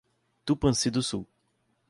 Tupanci do Sul